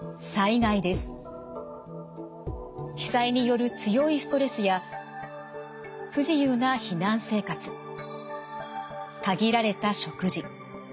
被災による強いストレスや不自由な避難生活限られた食事。